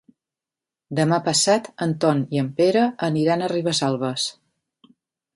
Demà passat en Ton i en Pere aniran a Ribesalbes.